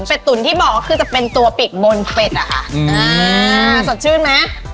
เป็ดตุ๋นที่บอกคือจะเป็นตัวปิกบนเป็ดอะค่ะอืมอ่าสดชื่นไหม